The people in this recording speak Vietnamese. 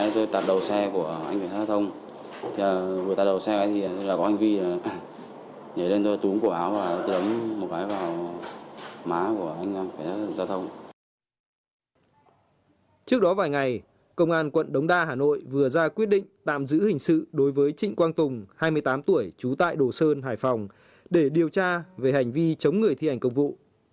trước đó vài ngày công an quận đống đa hà nội vừa ra quyết định tạm giữ hình sự đối với trịnh quang tùng hai mươi tám tuổi trú tại đồ sơn hải phòng để điều tra về hành vi chống người thi hành công vụ